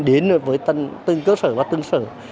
đến với từng cơ sở và từng sở